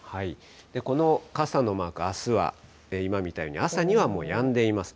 この傘のマーク、あすは今みたいに朝にはもうやんでいます。